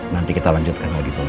nanti kita lanjutkan lagi